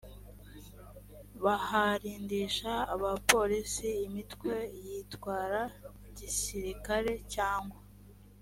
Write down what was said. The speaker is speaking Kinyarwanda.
baharindisha abaporisi imitwe yitwara gisirikare cyangwa